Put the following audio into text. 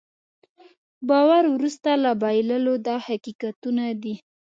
باور وروسته له بایللو دا حقیقتونه دي.